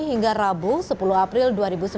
hingga rabu sepuluh april dua ribu sembilan belas